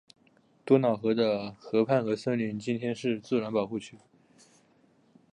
多瑙河的河畔和森林今天是自然保护区。